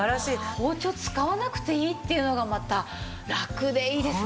包丁使わなくていいっていうのがまたラクでいいですね！